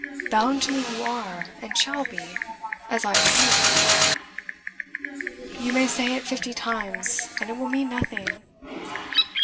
'Bound to me you are, and shall be as I to you.' 'You may say it fifty times, and it will mean nothing.